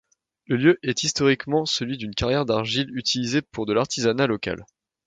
Le lieu est historiquement celui d'une carrière d'argile utilisée pour de l'artisanat local.